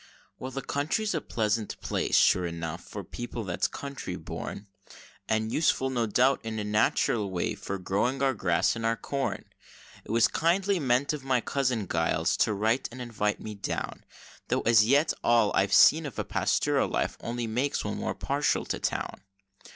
Well, the country's a pleasant place, sure enough, for people that's country born, And useful, no doubt, in a natural way, for growing our grass and our corn. It was kindly meant of my cousin Giles, to write and invite me down, Tho' as yet all I've seen of a pastoral life only makes one more partial to town.